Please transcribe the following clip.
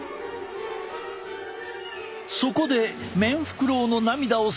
そこでメンフクロウの涙を採取。